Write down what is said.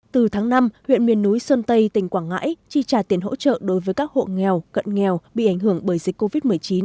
từ tháng năm huyện miền núi sơn tây tỉnh quảng ngãi chi trả tiền hỗ trợ đối với các hộ nghèo cận nghèo bị ảnh hưởng bởi dịch covid một mươi chín